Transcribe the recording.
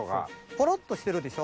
コロっとしてるでしょ。